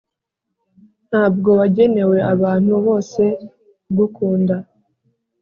ntabwo wagenewe abantu bose kugukunda